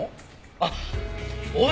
あっお家